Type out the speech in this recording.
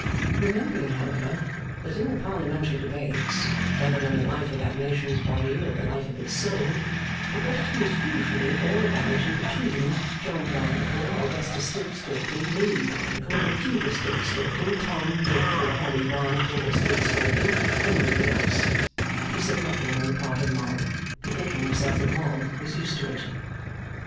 Remembering, however, that in the Parliamentary debates, whether on the life of that nation's body or the life of its soul, the question was usually all about and between John Barnacle, Augustus Stiltstalking, William Barnacle and Tudor Stiltstalking, Tom, Dick, or Harry Barnacle or Stiltstalking, and nobody else; he said nothing on the part of mob, bethinking himself that mob was used to it.